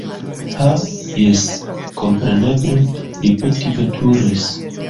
Ha jes, kompreneble, li petveturis!